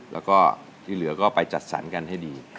แล้วก็ที่เหลือก็ไปจัดสรรกันให้ดี